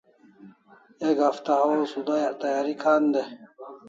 Ek hafta hawaw sudayak tayari kan dai